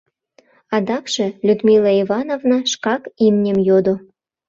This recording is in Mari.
Адакше Людмила Ивановна шкак имньым йодо.